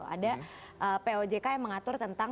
ada pojk yang mengatur tentang